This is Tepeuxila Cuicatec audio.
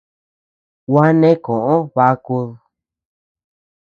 Gua neʼe koʼo bakud.